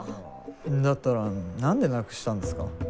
だったら何でなくしたんですか？